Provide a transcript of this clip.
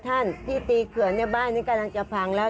ท่านที่ตีเขื่อนในบ้านนี้กำลังจะพังแล้ว